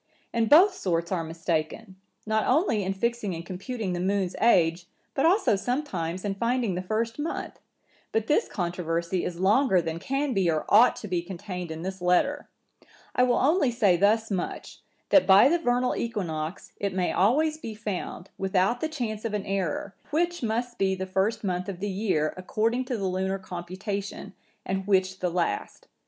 And both sorts are mistaken, not only in fixing and computing the moon's age, but also sometimes in finding the first month; but this controversy is longer than can be or ought to be contained in this letter. I will only say thus much, that by the vernal equinox, it may always be found, without the chance of an error, which must be the first month of the year, according to the lunar computation, and which the last.